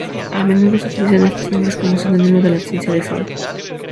A menudo se utilizan estos nombres como sinónimos de la ciencia de suelo.